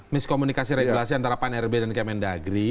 miskomunikasi regulasi antara pan rb dan kemen dagiri